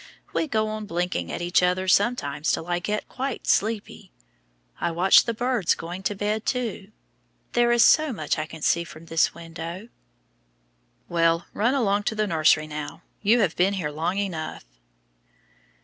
We go on blinking at each other sometimes till I get quite sleepy. I watch the birds going to bed too. There is so much I can see from this window." "Well, run along to the nursery now; you have been here long enough."